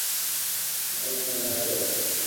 مھل ۾ لاويو